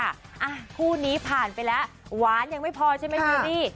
อ่ะคู่นี้ผ่านไปแล้วหวานยังไม่พอใช่ไหมเชอรี่